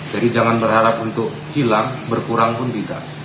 jadi jangan berharap untuk hilang berkurang pun tidak